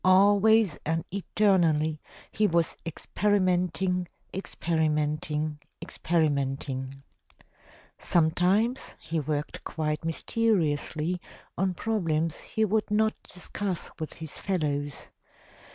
Always and eternally he was experimenting, experimenting, experimenting. Sometimes he worked quite mysteriously on problems he would not discuss with his fellows.